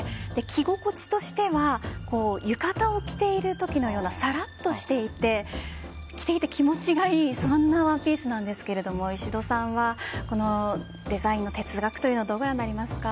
着心地としては浴衣を着ているときのようにさらっとしていて着ていて気持ちがいいそんなワンピースなんですが石戸さんはこのデザインの哲学というのをどうご覧になりますか？